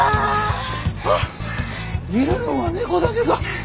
はぁいるのは猫だけか。